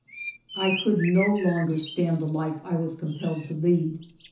I could no longer stand the life I was compelled to lead.